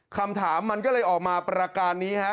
คำถามมันก็เลยออกมาประการนี้ฮะ